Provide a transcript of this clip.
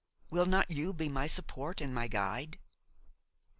Will not you be my support and my guide?"